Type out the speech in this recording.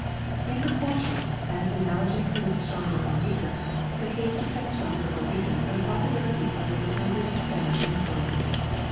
In proportion, as the analogy proves stronger or weaker, the case becomes stronger or weaker for the possibility of the supposed Spanish influence.